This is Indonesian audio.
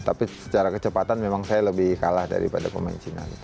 tapi secara kecepatan memang saya lebih kalah daripada pemain china